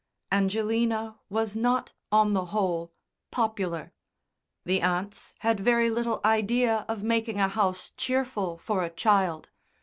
Angelina was not, on the whole, popular.... The aunts had very little idea of making a house cheerful for a child.